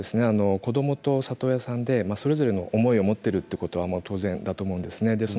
子どもと里親さんでそれぞれの思いを持っているということは当然だと思うんですね。